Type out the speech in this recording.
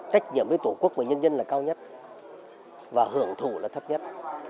trách nhiệm với tổ quốc và nhân dân là cao nhất và hưởng thủ là thấp nhất